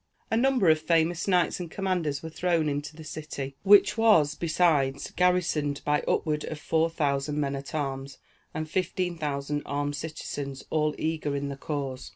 A number of famous knights and commanders were thrown into the city, which was, besides, garrisoned by upward of four thousand men at arms, and fifteen thousand armed citizens, all eager in the cause.